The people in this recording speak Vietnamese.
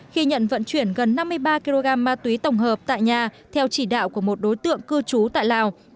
khi nhận vận chuyển gần năm mươi ba kg ma túy tổng hợp tại nhà theo chỉ đạo của một đối tượng cư trú tại lào